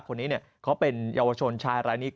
คนนี้เขาเป็นเยาวชนชายรายนี้